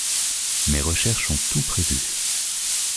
Mes recherches ont tout prévu.